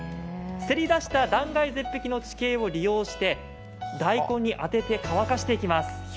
せり出した断崖絶壁の地形を利用して大根に当てて乾かしていきます。